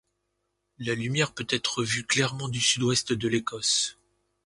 La lumière peut être vu clairement du sud-ouest de l'Écosse.